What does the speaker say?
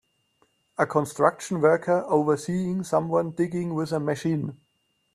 A construction worker overseeing someone digging with a machine.